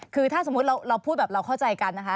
คือถ้าสมมุติเราพูดแบบเราเข้าใจกันนะคะ